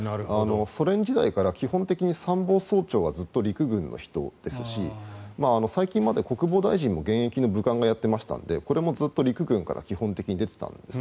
ソ連時代から基本的に参謀総長はずっと陸軍の人ですし最近まで国防大臣も現役の武官がやっていましたのでこれもずっと陸軍から基本的に出ていたんです。